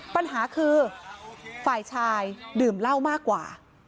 ปัญหาคือฝ่ายชายดื่มเหล้ามากกว่า